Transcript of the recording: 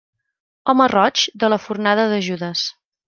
Home roig, de la fornada de Judes.